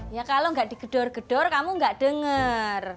ya kalau nggak di gedor gedor kamu nggak denger